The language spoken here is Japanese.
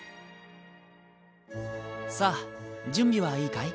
さあ準備はいいかい？